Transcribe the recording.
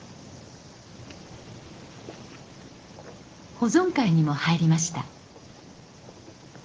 保存会にも入りました。